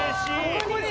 ここに。